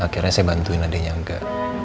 akhirnya saya bantuin adiknya angga